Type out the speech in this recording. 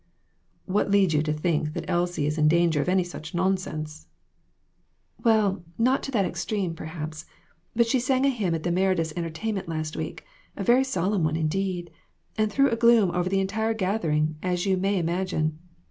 " What leads you to think that Elsie is in dan ger of any such nonsense ?"" Well, not to that extreme, perhaps ; but she sang a hymn at the Merediths' entertainment last week a very solemn one, indeed and threw a gloom over the entire gathering, as you may imag ine.